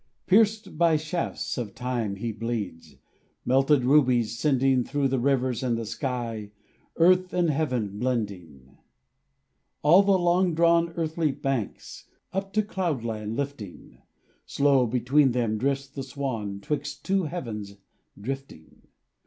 Pierced by shafts of Time he bleeds, Melted rubies sending Through the river and the sky, Earth and heaven blending; All the long drawn earthly banks Up to cloud land lifting: Slow between them drifts the swan, 'Twixt two heavens drifting.